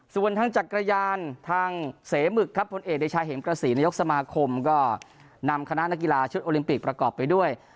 ส่วนทางจักรยานทางเสมึกครับผลเอกเดชาเห็มกระศรีนายกสมาคมก็นำคณะนักกีฬาชุดโอลิมปิกประกอบไปด้วย